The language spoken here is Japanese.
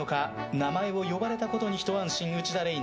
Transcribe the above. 名前を呼ばれたことにひと安心、内田嶺衣奈。